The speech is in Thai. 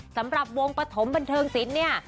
สำหรับวงปฐมบันเทิงศิลป์เนี่ย